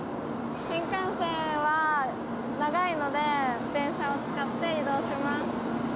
新幹線は長いので、自転車を使って移動します。